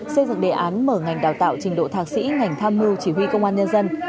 xây dựng đề án mở ngành đào tạo trình độ thạc sĩ ngành tham mưu chỉ huy công an nhân dân